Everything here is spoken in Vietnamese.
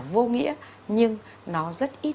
vô nghĩa nhưng nó rất ít